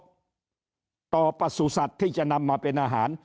ต่อประสุทธิ์สัตว์ที่จะนำมาเป็นอาหาร